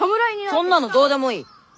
そんなのどうでもいい！